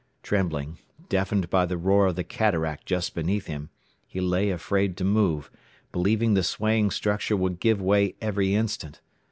Trembling, deafened by the roar of the cataract just beneath him, he lay afraid to move, believing the swaying structure would give way every instant.